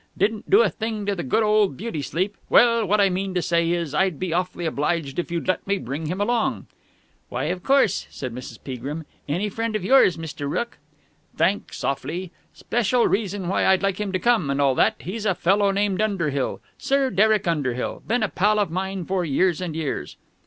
Didn't do a thing to the good old beauty sleep! Well, what I mean to say is, I'd be awfully obliged if you'd let me bring him along." "Why, of course," said Mrs. Peagrim. "Any friend of yours, Mr. Rooke...." "Thanks awfully. Special reason why I'd like him to come, and all that. He's a fellow named Underhill. Sir Derek Underhill. Been a pal of mine for years and years."